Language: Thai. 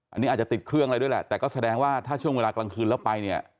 อันนี้อาจจะติดเครื่องอะไรด้วยแหละแต่ก็แสดงว่าถ้าช่วงเวลากลางคืนแล้วไปเนี่ย